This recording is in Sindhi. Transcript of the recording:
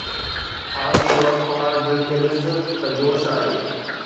اُن شور، خوار دل کي ڏس ته جوش آهي